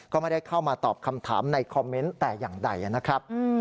ก็ไม่ได้เข้ามาตอบคำถามในคอมเมนต์แต่อย่างใดนะครับ